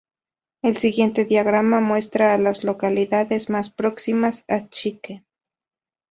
El siguiente diagrama muestra a las localidades más próximas a Chicken.